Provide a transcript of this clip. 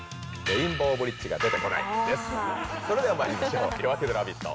それではまいりましょう「夜明けのラヴィット！」